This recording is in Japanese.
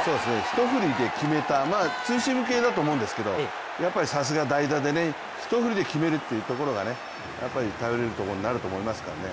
一振りで決めた、ツーシーム系だと思うんですけどやっぱりさすが代打で一振りで決めるっていうのがやっぱり頼れるところになると思いますからね。